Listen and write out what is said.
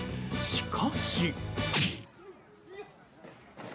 しかし。